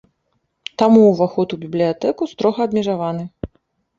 Таму ўваход у бібліятэку строга абмежаваны.